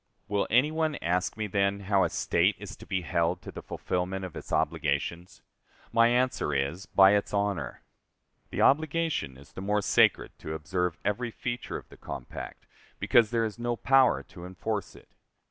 Will any one ask me, then, how a State is to be held to the fulfillment of its obligations? My answer is, by its honor. The obligation is the more sacred to observe every feature of the compact, because there is no power to enforce it.